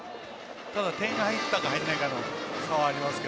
点が入ったか入らないかの差はありますが。